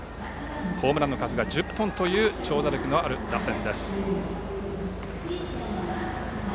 ホームランの数が１０本という長打力のある打線です。